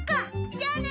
じゃあね。